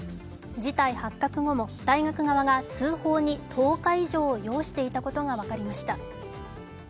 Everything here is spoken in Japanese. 事態発覚後も、大学側が通報に１０日以上を擁していたことが分かりました。